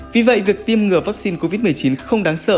vì vậy việc tiêm ngừa vaccine covid một mươi chín không đáng sợ